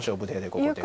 ここです。